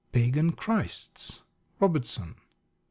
Pagan Christs, Robertson.